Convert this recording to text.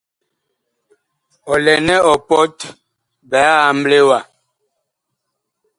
Ɔ lɛ nɛ ɔ pɔt biig amble wa.